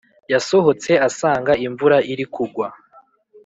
yasohotse asnga imvura iri kugwa